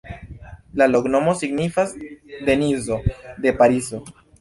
La loknomo signifas: Denizo de Parizo.